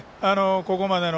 ここまでの。